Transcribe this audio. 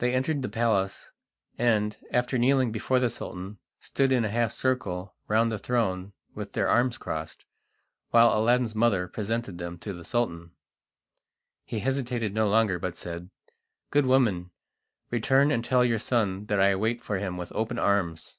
They entered the palace, and, after kneeling before the Sultan, stood in a half circle round the throne with their arms crossed, while Aladdin's mother presented them to the Sultan. He hesitated no longer, but said: "Good woman, return and tell your son that I wait for him with open arms."